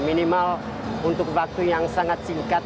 minimal untuk waktu yang sangat singkat